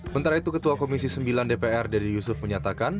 mentara itu ketua komisi sembilan dpr dede yusuf menyatakan